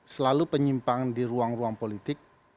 selalu penyimpangan di ruang ruang politik